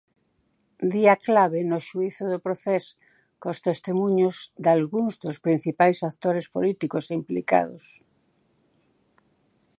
Día clave no xuízo do Procés cos testemuños dalgúns dos principais actores políticos implicados.